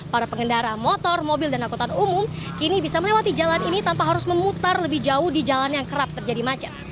para pengendara motor mobil dan angkutan umum kini bisa melewati jalan ini tanpa harus memutar lebih jauh di jalan yang kerap terjadi macet